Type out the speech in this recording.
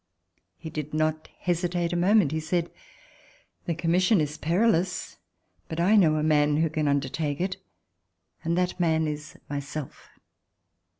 He did not hesitate a moment. He said: ''The commission is perilous, but I know a man who can undertake it, and that man is myself."